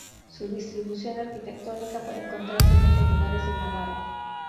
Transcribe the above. Su distribución arquitectónica puede encontrarse en otros lugares de Navarra.